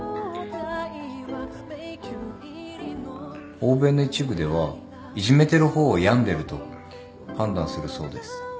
欧米の一部ではいじめてる方を病んでると判断するそうです。